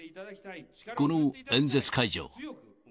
この演説会場。